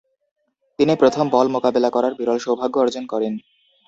তিনি প্রথম বল মোকাবেলা করার বিরল সৌভাগ্য অর্জন করেন।